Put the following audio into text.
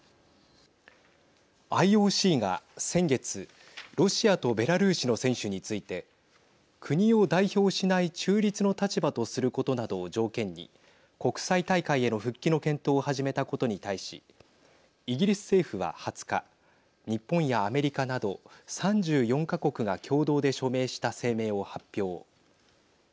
ＩＯＣが先月ロシアとベラルーシの選手について国を代表しない中立の立場とすることなどを条件に国際大会への復帰の検討を始めたことに対しイギリス政府は２０日日本やアメリカなど３４か国が共同で署名した声明を発表。